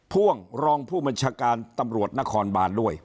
พ่วงรองผู้บัญชาการตำรวจนครบานด้วย